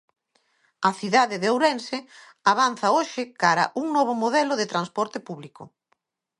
A cidade de Ourense avanza hoxe cara a un novo modelo de transporte público.